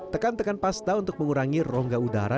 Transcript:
tekan tekan pasta untuk mengurangi rongga udara